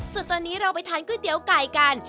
ตอนนี้เราไปทานก๋วยเตี๋ยวไก่กัน